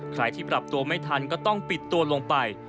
ใครที่ปรับตัวไม่ทันก็ต้องปิดตัวลงไป